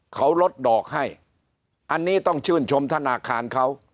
เขาลดดอกให้อันนี้ต้องชื่นชมธนาคารเขา